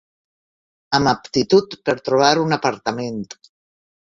Amb aptitud per trobar un apartament.